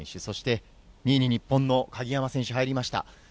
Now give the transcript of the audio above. そして２位に日本の鍵山選手入りました。